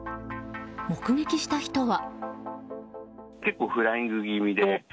目撃した人は。